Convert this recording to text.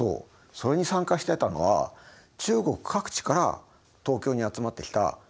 それに参加してたのは中国各地から東京に集まってきた３００人の留学生。